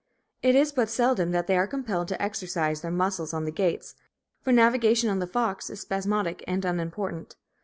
It is but seldom that they are compelled to exercise their muscles on the gates; for navigation on the Fox is spasmodic and unimportant.